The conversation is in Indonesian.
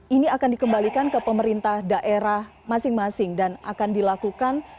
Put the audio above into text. ini akan dikembalikan ke pemerintah daerah masing masing dan akan dilakukan